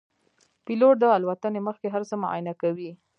پیلوټ د الوتنې مخکې هر څه معاینه کوي.